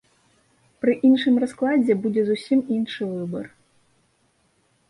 Пры іншым раскладзе будзе зусім іншы выбар.